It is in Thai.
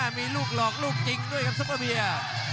มีลูกหลอกลูกจริงด้วยครับซุปเปอร์เบียร์